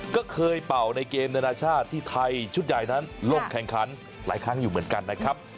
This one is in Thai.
ก็เคยเป่าในเกมนานาชาติที่ไทยชุดใหญ่นั้นลงแข่งขันหลายครั้งอยู่เหมือนกันนะครับ